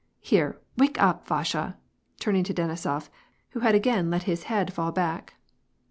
" Here, wake up, Vasha," turning to Denisof , who had again let his head fall back.